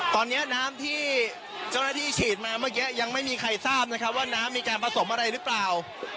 ตอนนี้น้ำที่เจ้าหน้าที่ฉีดมาเมื่อกี้ยังไม่มีใครทราบนะครับว่าน้ำมีการผสมอะไรหรือเปล่า